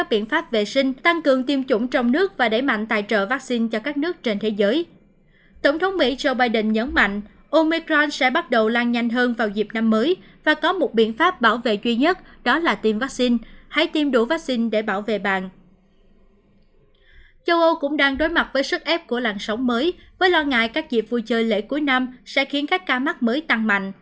châu âu cũng đang đối mặt với sức ép của làn sóng mới với lo ngại các dịp vui chơi lễ cuối năm sẽ khiến các ca mắc mới tăng mạnh